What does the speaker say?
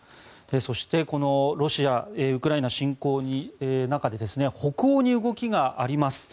そして、このロシアのウクライナ侵攻の中で北欧に動きがあります。